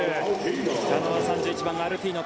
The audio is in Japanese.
来たのは３１番のアルティーノ